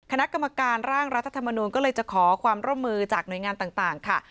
คณะกรรมการร่างรัฐธรรมนูลก็เลยจะขอความร่วมมือจากหน่วยงานต่างค่ะ